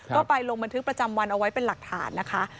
ก็ไปลงบันทึกประจำวันเอาไว้เป็นหลักฐานนะคะ